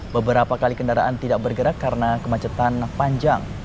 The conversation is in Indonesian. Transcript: beberapa kali kendaraan tidak bergerak karena kemacetan panjang